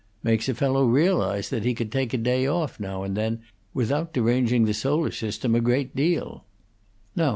Makes a fellow realize that he could take a day off now and then without deranging the solar system a great deal.